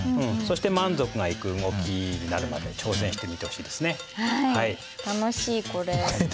そして満足がいく動きになるまで挑戦してみてほしいですね。